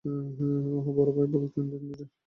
ওহ বড় ভাই বলতে, তিন মিনিটের বড়।